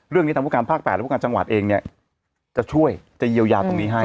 เรื่องนี้ทางผู้การภาค๘และผู้การจังหวัดเองเนี่ยจะช่วยจะเยียวยาตรงนี้ให้